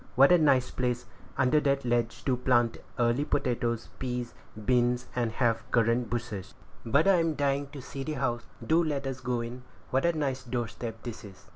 What a nice place, under that ledge, to plant early potatoes, peas, and beans, and have currant bushes! But I'm dying to see the house; do let us go in; what a nice doorstep this is!"